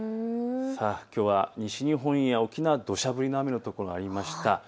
きょうは西日本や沖縄、どしゃ降りの雨の所もありました。